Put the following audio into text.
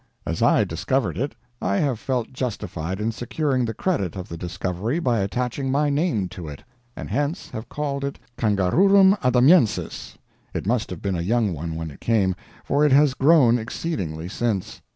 As I discovered it, I have felt justified in securing the credit of the discovery by attaching my name to it, and hence have called it Kangaroorum Adamiensis.... It must have been a young one when it came, for it has grown exceedingly since.